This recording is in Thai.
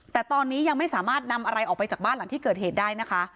แต่ตอนนี้ยังไม่สามารถนำอะไรออกไปจากบ้านหลังที่เกิดเหตุได้นะคะ